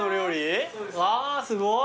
わあすごい。